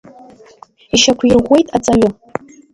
Ишьақәирӷәӷәеит аҵаҩы.